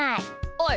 おい！